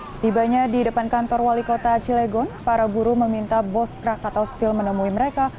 setibanya di depan kantor wali kota cilegon para buruh meminta bos krakatau steel menemui mereka